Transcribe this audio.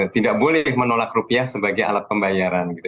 tidak boleh menolak rupiah sebagai alat pembayaran